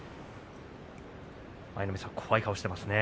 舞の海さん怖い顔をしていますね。